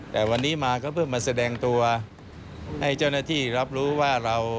แต่วันนี้มาก็เพื่อมาแสดงตัวให้เจ้าหน้าที่รับรู้ว่าเรา